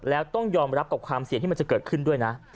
แล้วต้องยอมรับกับความเสี่ยงที่มันจะเกิดขึ้นด้วยนะ